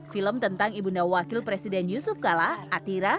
film tentang ibunda wakil presiden yusuf kala atira